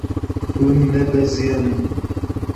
Hûn nebeziyane.